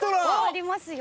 ありますよ。